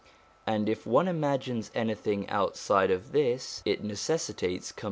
And if one imagines anything outside of this, it necessitates 1 i.